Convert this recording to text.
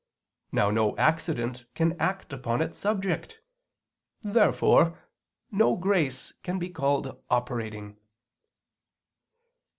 Now no accident can act upon its subject. Therefore no grace can be called operating.